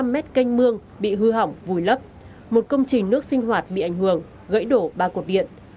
năm mét canh mương bị hư hỏng vùi lấp một công trình nước sinh hoạt bị ảnh hưởng gãy đổ ba cột điện